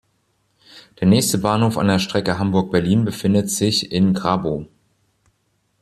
Der nächste Bahnhof an der Strecke Hamburg–Berlin befindet sich in Grabow.